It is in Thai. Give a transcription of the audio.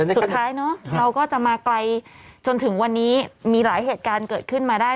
สุดท้ายเนอะเราก็จะมาไกลจนถึงวันนี้มีหลายเหตุการณ์เกิดขึ้นมาได้